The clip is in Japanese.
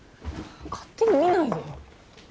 勝手に見ないでよ